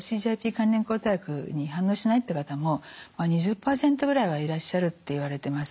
関連抗体薬に反応しないって方も２０％ぐらいはいらっしゃるっていわれてます。